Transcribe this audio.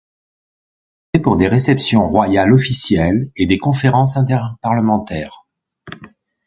Il est également utilisé pour des réceptions royales officielles et des conférences inter-parlementaires.